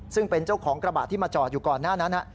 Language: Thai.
ซึ่งเป็นเจ้าของกระบะที่มาจอดอยู่ก่อนหน้านั้น